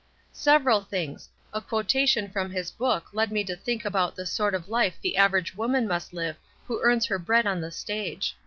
"Several things. A quotation from his book led me to think about the sort of hfe the average woman must Uve who earns her bread on the stage.